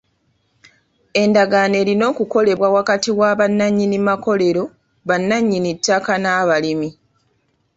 Endagaano erina okukolebwa wakati wa bannannyini makolero, bannanyinittaka n'abalimi.